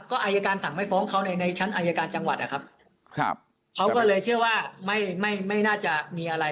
ก็อายการสั่งไม่ฟ้องเขาในในชั้นอายการจังหวัดนะครับเขาก็เลยเชื่อว่าไม่ไม่น่าจะมีอะไร